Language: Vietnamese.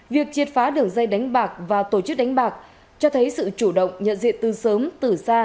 việc triệt phá đường dây đánh bạc và tổ chức đánh bạc cho thấy sự chủ động nhận diện từ sớm từ xa